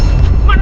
ga ada apa apa